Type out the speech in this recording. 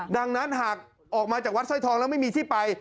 ดังนั้นหากออกมาจากวัดสร้อยทองแล้วไม่มีที่ไป